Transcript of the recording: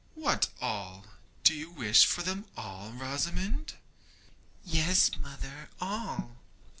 'What, all! Do you wish for them all, Rosamond?' 'Yes, mother, all.'